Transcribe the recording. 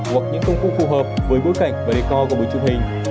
hoặc những công cụ phù hợp với bối cảnh và décor của buổi chụp hình